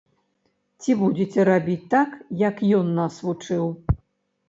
Ці будзеце рабіць так, як ён нас вучыў?